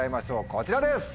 こちらです！